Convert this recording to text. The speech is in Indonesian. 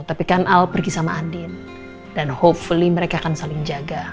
tapi kan al pergi sama andin dan hopefully mereka akan saling jaga